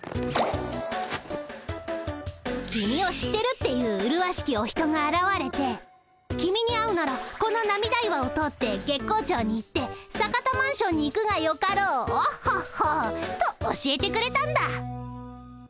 君を知ってるっていううるわしきお人があらわれて君に会うならこの涙岩を通って月光町に行って坂田マンションに行くがよかろうオッホッホッと教えてくれたんだ。